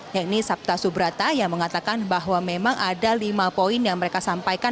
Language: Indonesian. yaitu sabta subrata yang mengatakan bahwa memang ada lima poin yang mereka sampaikan